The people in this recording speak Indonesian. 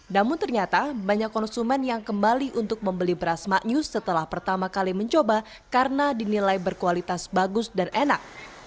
namun ternyata banyak konsumen yang kembali untuk membeli beras maknyus setelah pertama kali mencoba karena dinilai berkualitas bagus dan enak